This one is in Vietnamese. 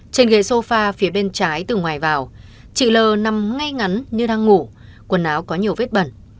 trên ghế sofa phía bên trái từ ngoài vào chị lờ nằm ngay ngắn như đang ngủ quần áo có nhiều vết bẩn